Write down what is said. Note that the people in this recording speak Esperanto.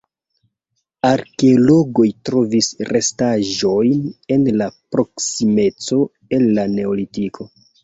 Arkeologoj trovis restaĵojn en la proksimeco el la neolitiko.